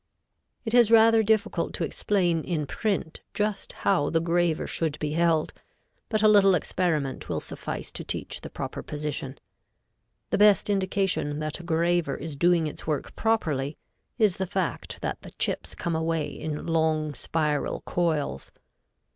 It is rather dificult to explain in print just how the graver should be held, but a little experiment will suffice to teach the proper position. The best indication that a graver is doing its work properly, is the fact that the chips come away in long spiral coils.